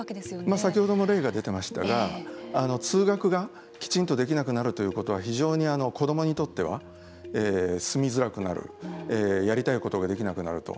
先ほども例が出ていましたが通学がきちんとできなくなるということは非常に子どもにとっては住みづらくなるやりたいことができなくなると。